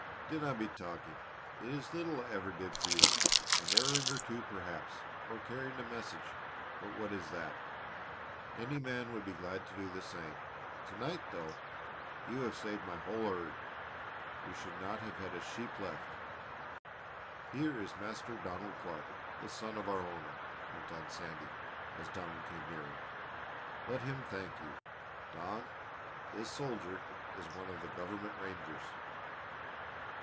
"Dinna be talking. It is little I ever did for you. An errand or two perhaps, or carrying a message but what is that? Any man would be glad to do the same. To night, though, you have saved my whole herd. We should not have had a sheep left. Here is Master Donald Clark, the son of our owner," went on Sandy, as Donald came nearer. "Let him thank you. Don, this soldier is one of the government rangers."